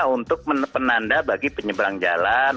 untuk penanda bagi penyeberang jalan